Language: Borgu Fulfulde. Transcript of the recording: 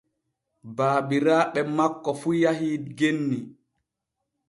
Baabiraaɓe makko fu yahii genni.